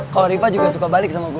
kalo rifa juga suka balik sama gue